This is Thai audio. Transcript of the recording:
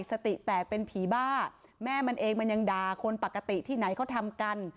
สติแตกเป็นผีบ้าแม่มันเองมันยังด่าคนปกติที่ไหนเขาทำกัน